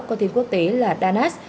có tên quốc tế là danas